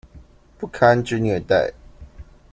不堪之虐待